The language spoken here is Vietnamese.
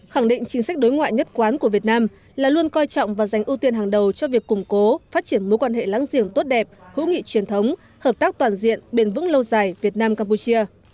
khẳng định chính sách đối ngoại nhất quán của việt nam là luôn coi trọng và dành ưu tiên hàng đầu cho việc củng cố phát triển mối quan hệ láng giềng tốt đẹp hữu nghị truyền thống hợp tác toàn diện bền vững lâu dài việt nam campuchia